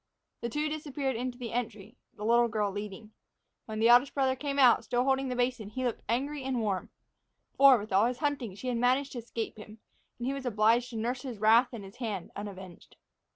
The two disappeared into the entry, the little girl leading. When the eldest brother came out, still holding the basin, he looked angry and warm. For, with all his hunting, she had managed to escape him, and he was obliged to nurse his wrath and his hand unavenged.